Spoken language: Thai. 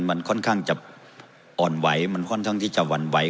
มันค่อนข้างจะอ่อนไหวมันค่อนข้างที่จะหวั่นไหว